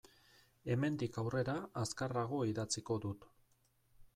Hemendik aurrera azkarrago idatziko dut.